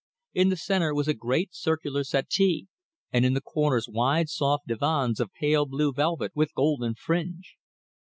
In the centre was a great circular settee, and in the corners wide soft divans of pale blue velvet with golden fringe.